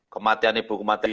kematian ibu kematian